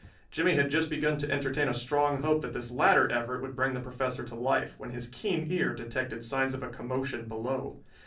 Jimmie had just begun to entertain a strong hope that this latter effort would bring the Professor to life, when his keen ear detected signs of a commotion below.